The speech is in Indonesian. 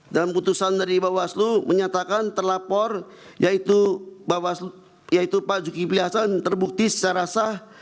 dalam putusan dari bawaslu menyatakan terlapor yaitu bawaslu yaitu pak zulkifli hasan terbukti secara sah